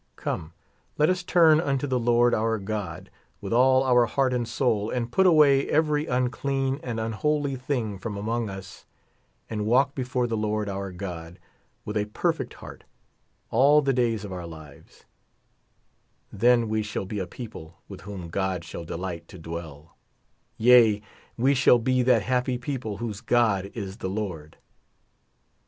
Come, let us turn unto the Lord our God, with all our heart and soul, and put away every un clean and unholy thing from among us, and walk before the Lord our God, with a perfect heart, all the d&ya of our lives ; then we shall be a people with whom God shall delight to dwell ; yea, we shall be that happy p^ple whose God is the Lord.